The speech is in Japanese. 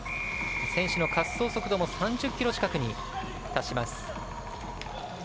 選手の滑走速度も３０キロ近くに達します。